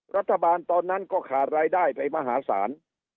รัฐบาลตอนนั้นก็ขาดรายได้ไปมหาศาล